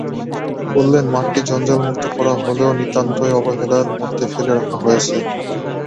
বললেন, মাঠটি জঞ্জালমুক্ত করা হলেও নিতান্তই অবহেলার মধ্যে ফেলে রাখা হয়েছে।